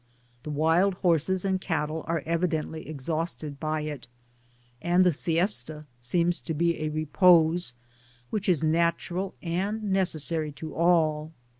The wild horses and cattle are evidently exhausted by it, and the siesta seems to be a repose which is natural and necessary to all.